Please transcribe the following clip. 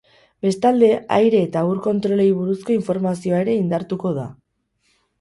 Bestalde, aire eta ur kontrolei buruzko informazioa ere indartuko da.